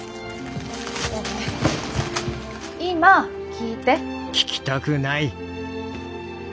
今聞いて。